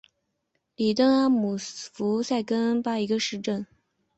里登阿姆福尔根塞是德国巴伐利亚州的一个市镇。